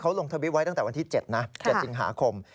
เขาลงทวิตไว้ตั้งแต่วันที่๗นะ๗สิงหาคม